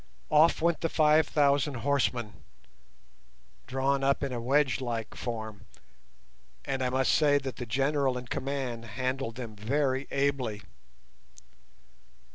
Off went the five thousand horsemen, drawn up in a wedge like form, and I must say that the general in command handled them very ably.